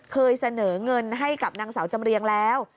เคยเสนอเงินให้กับนางสาวจำเรียงแล้ว